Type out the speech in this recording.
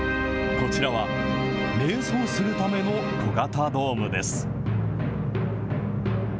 こちらはめい想するための小型ドームです。